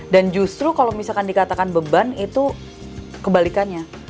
dan justru kalau misalkan dikatakan beban itu kebalikannya